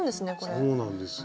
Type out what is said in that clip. そうなんですよ。